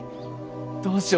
どうしよう？